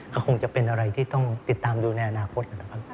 ก็คงจะเป็นอะไรที่ต้องติดตามดูในอนาคตนะครับ